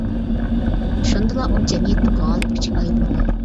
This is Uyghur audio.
شۇندىلا ئۇ جەمئىيەتنىڭ غالىب كۈچىگە ئايلىنالايدۇ.